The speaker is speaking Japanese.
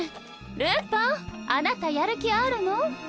ルパンあなたやる気あるの？